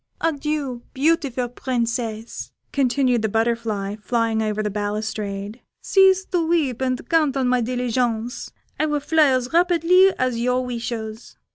Adieu, beautiful Princess," continued the butterfly, flying over the balustrade; "cease to weep, and count on my diligence, I will fly as rapidly as your wishes."